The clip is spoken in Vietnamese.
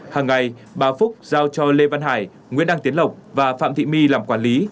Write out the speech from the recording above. hàng ngày bà phúc giao cho lê văn hải nguyễn đăng tiến lộc và phạm thị my làm quản lý